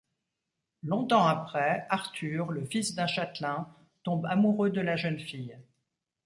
Longtemps après, Arthur, le fils d'un châtelain, tombe amoureux de la jeune fille.